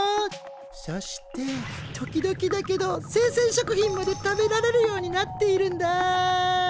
そして時々だけどせいせん食品まで食べられるようになっているんだ。